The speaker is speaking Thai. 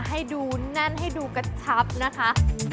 ให้ดูแน่นให้ดูกระชับนะคะ